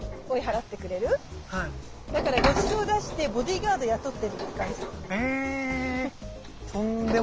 だからごちそう出してボディーガード雇ってるって感じ。